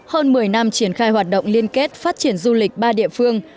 hơn một mươi năm triển khai hoạt động liên kết phát triển du lịch ba địa phương